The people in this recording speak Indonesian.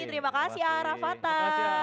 terima kasih arafatah